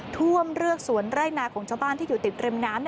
ท่วมเรือกสวนไร่นาของชาวบ้านที่อยู่ติดริมน้ำ